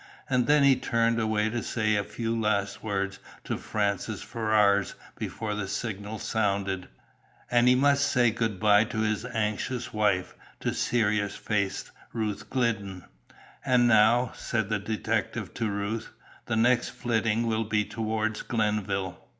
And then he turned away to say a few last words to Francis Ferrars before the signal sounded, and he must say good bye to his anxious wife, to serious faced Ruth Glidden. "And now," said the detective to Ruth, "the next flitting will be toward Glenville."